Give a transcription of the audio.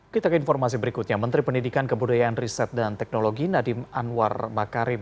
kita ke informasi berikutnya menteri pendidikan kebudayaan riset dan teknologi nadiem anwar makarim